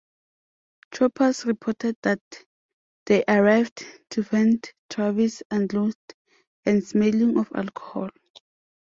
Troopers reported that they arrived to find Travis unclothed and smelling of alcohol.